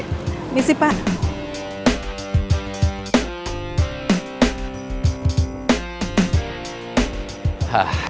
ini sih pak